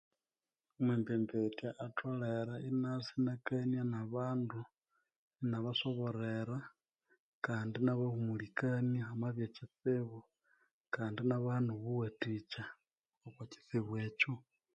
Omwembembetya atholere inasa inakania nabandu, inabasoborera kandi inabahumulikania hamabya ekyitsibu kandi inabaha nobuwathikya okwa kyitsibu ekyo.